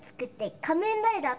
「仮面ライダー」